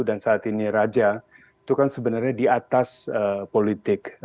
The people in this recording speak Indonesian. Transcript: dan saat ini raja itu kan sebenarnya di atas politik